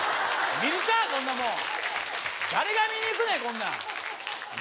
こんなもん誰が見に行くねんこんなん何？